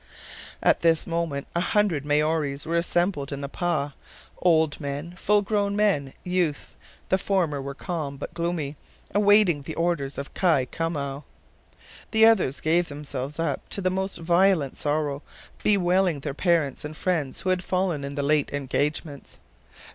At this moment a hundred Maories were assembled in the "pah," old men, full grown men, youths; the former were calm, but gloomy, awaiting the orders of Kai Koumou; the others gave themselves up to the most violent sorrow, bewailing their parents and friends who had fallen in the late engagements.